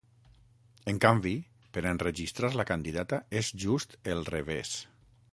En canvi, per enregistrar la candidata, és just el revés.